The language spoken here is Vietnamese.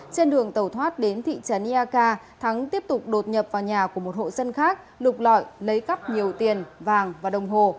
trên đường tàu thoát đến thị trấn iak thắng tiếp tục đột nhập vào nhà của một hộ dân khác lục lọi lấy cắp nhiều tiền vàng và đồng hồ